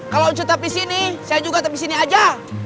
kalau ncu tetap disini saya juga tetap disini aja